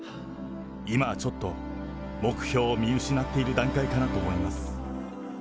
今はちょっと、目標を見失ってる段階かなと思います。